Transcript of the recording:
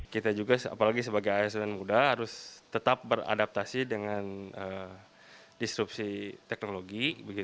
kita juga apalagi sebagai asn muda harus tetap beradaptasi dengan disrupsi teknologi